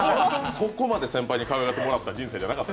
そこまで先輩にかいわがってもらった人生じゃなかった。